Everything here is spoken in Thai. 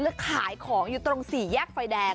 แล้วขายของอยู่ตรงสี่แยกไฟแดง